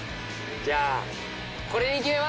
じゃあ。